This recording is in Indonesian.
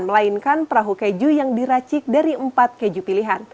melainkan perahu keju yang diracik dari empat keju pilihan